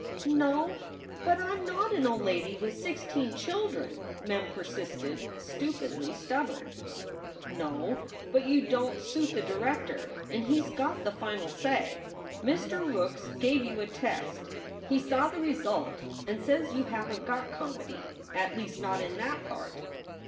"No, but I m not an old lady with sixteen children," Mem persisted, stupidly stubborn. "No, but you don t suit the director and he s got the final say. Mr. Rookes gave you a test. He saw the result and says you haven t got comedy at least not in that part.